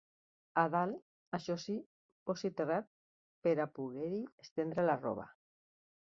A dalt, això sí, posi terrat pera poguer-hi estendre la roba